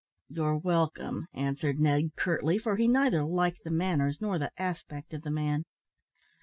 "You're welcome," answered Ned, curtly, for he neither liked the manners nor the aspect of the man.